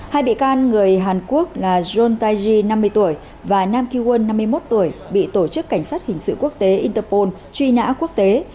hai bị can người hàn quốc là john tayji năm mươi tuổi và nam kewan năm mươi một tuổi bị tổ chức cảnh sát hình sự quốc tế interpol truy nã quốc tế